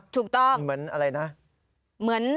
ถูกต้องหรือเหมือนอะไรนะ